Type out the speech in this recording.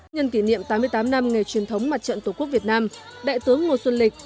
nhân kỷ niệm tám mươi tám năm ngày truyền thống mặt trận tổ quốc việt nam đại tướng ngô xuân lịch